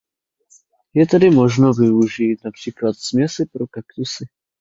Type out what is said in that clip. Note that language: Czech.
Je tedy možno využít například směsi pro kaktusy.